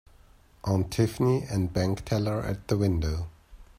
Aunt Tiffany and bank teller at the window.